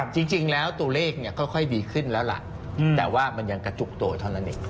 จริงแล้วตัวเลขค่อยดีขึ้นแล้วล่ะแต่ว่ามันยังกระจุกตัวเท่านั้นเอง